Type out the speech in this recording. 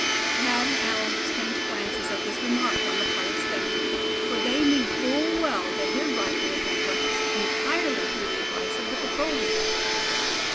Thad and Allan exchanged glances at this remark on the part of Step Hen; for they knew full well that his rifle had been purchased entirely through the advice of the patrol leader.